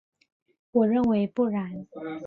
我认为不然。